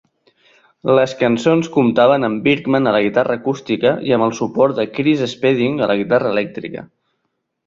Les cançons comptaven amb Bergmann a la guitarra acústica i amb el suport de Chris Spedding a la guitarra elèctrica.